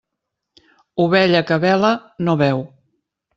Ovella que bela no beu.